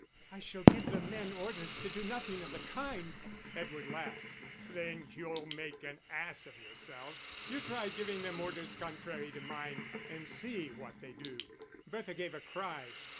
"I shall give the men orders to do nothing of the kind." Edward laughed. "Then you'll make an ass of yourself. You try giving them orders contrary to mine, and see what they do." Bertha gave a cry.